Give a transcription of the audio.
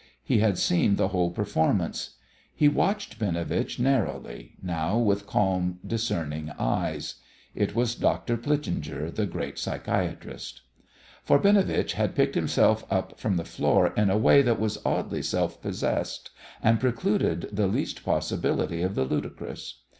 He had seen the whole performance. He watched Binovitch narrowly, now with calm, discerning eyes. It was Dr Plitzinger, the great psychiatrist. For Binovitch had picked himself up from the floor in a way that was oddly self possessed, and precluded the least possibility of the ludicrous.